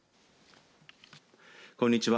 こんにちは。